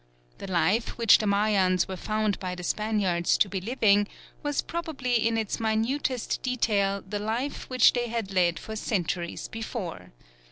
The life which the Mayans were found by the Spaniards to be living was probably in its minutest detail the life which they had led for centuries before.